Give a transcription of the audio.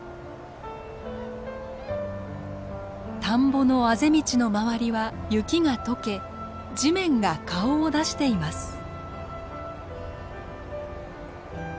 田んぼのあぜ道の周りは雪が解け地面が顔を出しています。